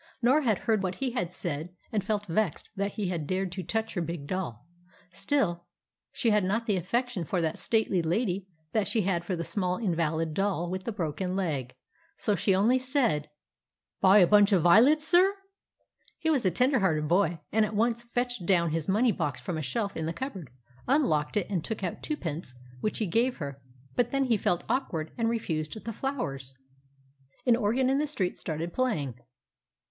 Norah had heard what he had said, and felt vexed that he had dared to touch her big doll; still, she had not the affection for that stately lady that she had for the small invalid doll with the broken leg, so she only said "Buy a bunch of violets, sir?" He was a tender hearted boy, and at once fetched down his money box from a shelf in the cupboard, unlocked it, and took out twopence which he gave her; but then he felt awkward and refused the flowers. An organ in the street started playing.